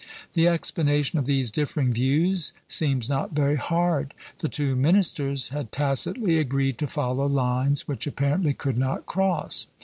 The explanation of these differing views seems not very hard. The two ministers had tacitly agreed to follow lines which apparently could not cross.